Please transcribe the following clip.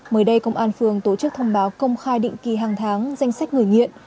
mới đây công an phường tổ chức thông báo công khai định kỳ hàng tháng danh sách người nghiện